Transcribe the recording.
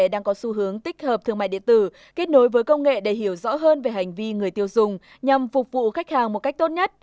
đang có xu hướng tích hợp thương mại điện tử kết nối với công nghệ để hiểu rõ hơn